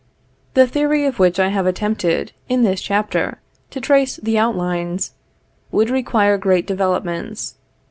The theory of which I have attempted, in this chapter, to trace the outlines, would require great developments.